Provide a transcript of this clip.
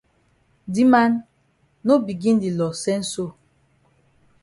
Di man, no begin di loss sense so.